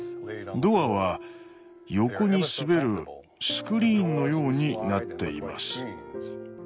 ドアは横に滑るスクリーンのようになっています。